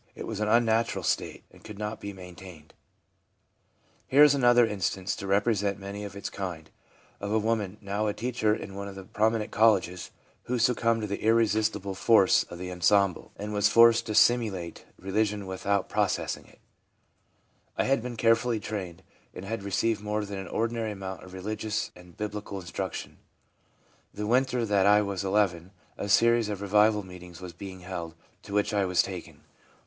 It was an unnatural state, and could not be maintained/ Here is another instance, to represent many of its kind, of a woman, now a teacher in one of the prominent colleges, who succumbed to the irresistible force of the ensemble^ and was forced to simulate religion without possessing it :' I had been carefully trained, and had received more than an ordinary amount of religious and biblical instruction. The winter that I was n, a series of revival meetings was being held, to which I was taken.